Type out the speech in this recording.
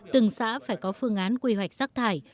từng xã phải có phương án quy hoạch rác thải